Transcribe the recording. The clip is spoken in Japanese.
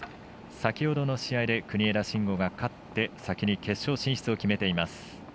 先ほどの試合で国枝慎吾が勝って先に決勝進出を決めています。